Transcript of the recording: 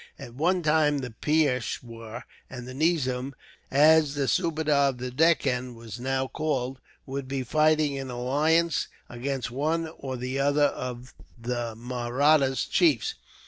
At one time the Peishwar and the Nizam, as the Subadar of the Deccan was now called, would be fighting in alliance against one or other of the Mahratta chiefs.